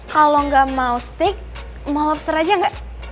kalo gak mau steak mau lobster aja gak